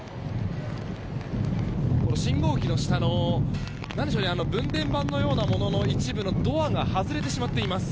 信号機の下の分電盤のようなものの一部のドアが外れてしまっています。